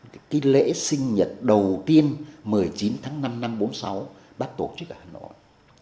cái lễ sinh nhật đầu tiên một mươi chín tháng năm năm một nghìn chín trăm bốn mươi sáu bác tổ chức ở hà nội